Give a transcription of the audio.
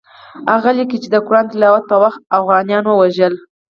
هغه لیکي چې د قرآن تلاوت په وخت اوغانیان ووژل.